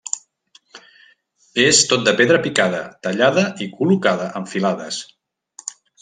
És tot de pedra picada, tallada i col·locada en filades.